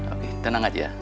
oke tenang aja